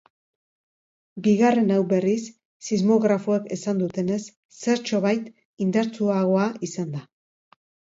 Bigarren hau, berriz, sismografoek esan dutenez, zertxobait indartsuagoa izan da.